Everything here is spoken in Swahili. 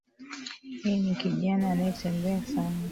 Yeye ni kijana anayetembea sana